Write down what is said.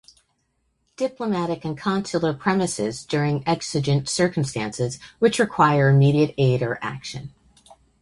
Diplomatic and Consular premises during exigent circumstances, which require immediate aid or action.